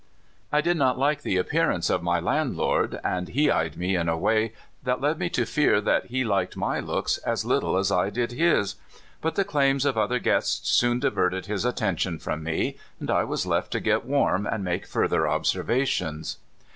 I did not like the appear ance of my landlord, and he eyed me in a way that led me to fear that he liked my looks as little as I did his ; but the claims of other guests soon diverted his attention from me, and I was left to get warm and make further observations.